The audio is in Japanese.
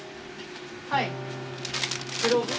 はい。